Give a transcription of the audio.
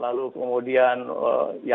lalu kemudian hal hal yang nanti sebetulnya ya